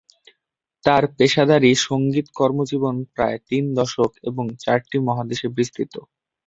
তার পেশাদারী সঙ্গীত কর্মজীবন প্রায় তিন দশক এবং চারটি মহাদেশে বিস্তৃত।